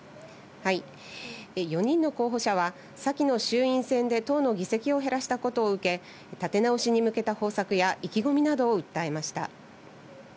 ４人の候補者は、先の衆院選で党の議席を減らしたことを受け、立て直しに向けた方策や意気込みなどを訴えました。